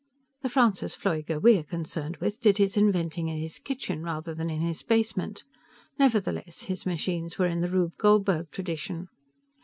The Francis Pfleuger we are concerned with did his inventing in his kitchen rather than in his basement; nevertheless, his machines were in the Rube Goldberg tradition.